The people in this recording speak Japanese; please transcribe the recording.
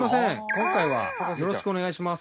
今回はよろしくお願いします。